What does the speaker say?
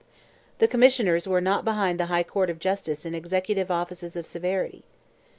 The commissioners were not behind the High Court of Justice in executive offices of severity.